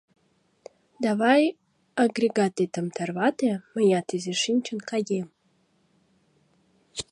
Давай, агрегатетым тарвате, мыят изиш шинчын каем.